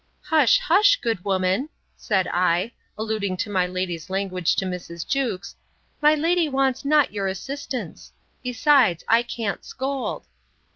Hush, hush, good woman, said I, alluding to my lady's language to Mrs. Jewkes, my lady wants not your assistance:—Besides, I can't scold!